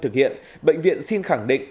thực hiện bệnh viện xin khẳng định